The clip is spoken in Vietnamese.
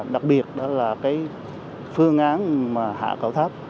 đặc biệt đó là cái phương án mà hạ cầu thấp